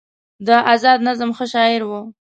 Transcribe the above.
د ازاد نظم ښه شاعر و